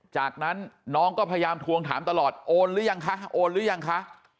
จากนั้นน้องก็พยายามทวงถามตลอดโอนหรือยังคะโอนหรือยังคะ